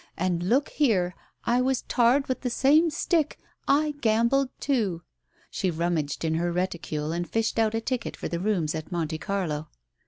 And look here, I was tarred with the same stick, I gambled too " She rummaged in her reticule and fished out a ticket for the rooms at Monte Carlo.